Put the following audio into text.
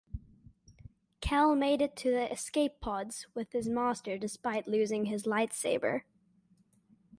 Cal made it to the escape pods with his master despite losing his lightsaber.